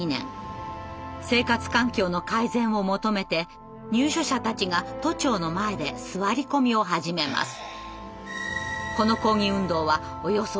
生活環境の改善を求めて入所者たちが都庁の前で座り込みを始めます。